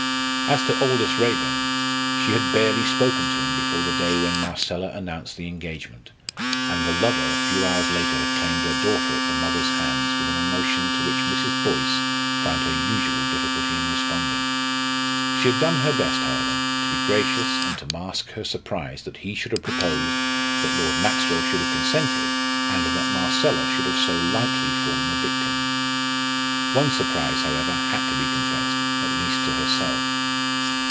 As to Aldous Raeburn, she had barely spoken to him before the day when Marcella announced the engagement, and the lover a few hours later had claimed her daughter at the mother's hands with an emotion to which Mrs. Boyce found her usual difficulty in responding. She had done her best, however, to be gracious and to mask her surprise that he should have proposed, that Lord Maxwell should have consented, and that Marcella should have so lightly fallen a victim. One surprise, however, had to be confessed, at least to herself.